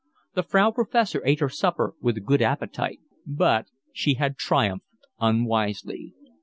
The Frau Professor ate her supper with a good appetite. But she had triumphed unwisely.